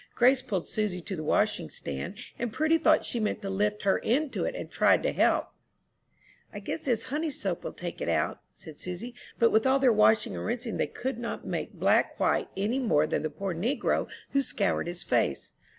Grace pulled Susy to the washing stand, and Prudy thought she meant to lift her into it, and tried to help. "I guess this honey soap will take it out," said Susy; but with all their washing and rinsing they could not make black white any more than the poor negro who scoured his face.